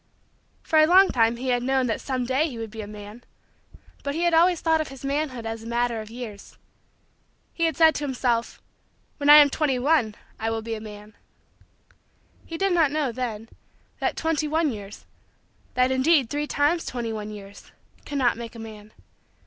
For a long time he had known that some day he would be a man. But he had always thought of his manhood as a matter of years. He had said to himself: "when I am twenty one, I will be a man." He did not know, then, that twenty one years that indeed three times twenty one years cannot make a man.